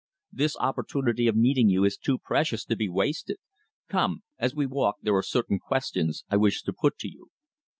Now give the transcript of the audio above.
This opportunity of meeting you is too precious to be wasted. Come. As we walk there are certain questions I wish to put to you."